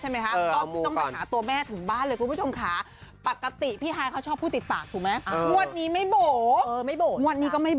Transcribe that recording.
เดี๋ยวเราเอาเรื่องราวให้ฟังก่อน